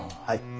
はい。